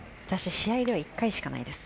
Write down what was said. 試合では１回しかないです。